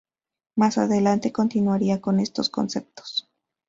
Más adelante continuaría con estos conceptos.